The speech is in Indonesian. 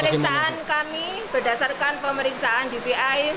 pemeriksaan kami berdasarkan pemeriksaan dvi